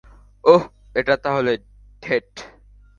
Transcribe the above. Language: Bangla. ওহ, এটা তাহলে ডেট।